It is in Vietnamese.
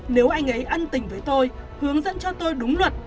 nếu anh ấy ân tình với tôi hướng dẫn cho tôi đúng luật